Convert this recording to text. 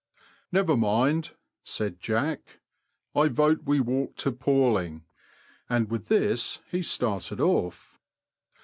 Never mind," said Jack ;" I vote we walk to Palling ;" and with this he started off.